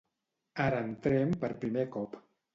Ara entrem per primer cop.